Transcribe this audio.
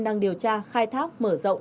đang điều tra khai thác mở rộng